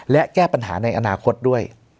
และแก้ปัญหาในอนาคตด้วย